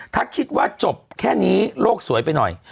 ถ้าคิดว่าจบแค่นี้โลกสวยไปหน่อย